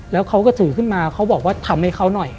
แล้วเขาก็ถือขึ้นมาเขาบอกว่าทำให้เขาหน่อย